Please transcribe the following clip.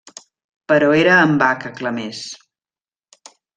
Però era en va que clamés.